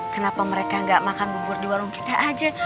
kenapa mereka gak makan bubur di warung kita aja